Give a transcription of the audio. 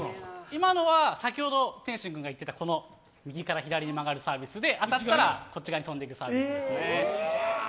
今のは先ほど天心君が言っていたこの右から左に曲がるサービスで当たったらこっち側に飛んでいくサーブですね。